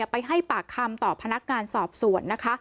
ไปให้ปากคำต่อพนักงานสอบสวนนะคะ